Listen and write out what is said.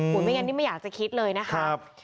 ไม่งั้นนี่ไม่อยากจะคิดเลยนะคะ